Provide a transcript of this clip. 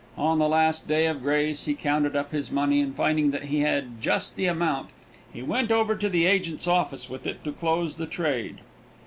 On the last day of grace he counted up his money and finding that he had just the amount, he went over to the agent's office with it to close the trade.